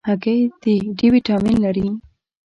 هګۍ د D ویټامین لري.